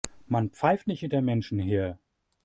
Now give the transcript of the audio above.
Man pfeift nicht hinter Menschen her.